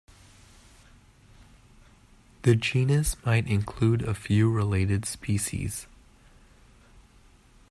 The genus might include a few related species.